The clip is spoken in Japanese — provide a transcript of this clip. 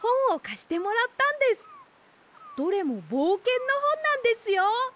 どれもぼうけんのほんなんですよ。